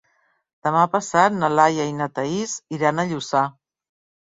Demà passat na Laia i na Thaís iran a Lluçà.